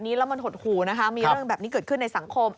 มีเรื่องแบบนี้เกิดขึ้นในสังคม